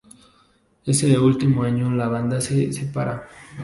Ese último año la banda se separa.